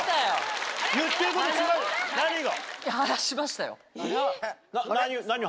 何が？